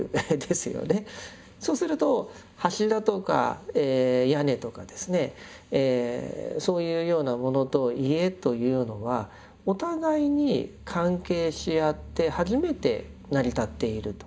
そうすると柱とか屋根とかですねそういうようなものと家というのはお互いに関係し合って初めて成り立っていると。